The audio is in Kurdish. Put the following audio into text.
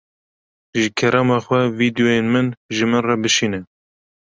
Ji kerema xwe vîdyoyên min ji min re bişîne.